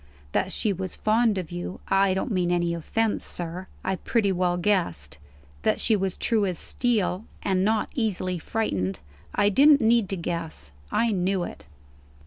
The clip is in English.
That she was fond of you I don't mean any offence, sir I pretty well guessed. That she was true as steel, and not easily frightened, I didn't need to guess; I knew it."